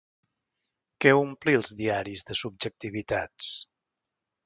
Què omplí els diaris de subjectivitats?